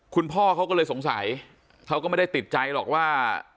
คุณพ่อเขาก็เลยสงสัยเขาก็ไม่ได้ติดใจหรอกว่า